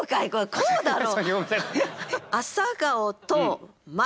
こうだろう。